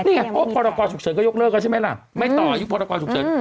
นี่โอ๊ยพอร์ตกรฉุกเฉินก็ยกเลิกแล้วใช่ไหมล่ะไม่ต่อยุคพอร์ตกรฉุกเฉิน